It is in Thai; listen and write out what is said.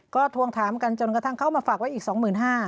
ก็ทวงถามกันจนกระทั่งเข้ามาฝากไว้อีกสองหมื่นห้า